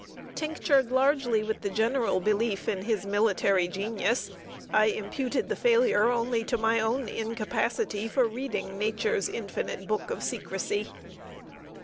Tinctured largely with the general belief in his military genius, I imputed the failure only to my own incapacity for reading "Nature's infinite book of secrecy."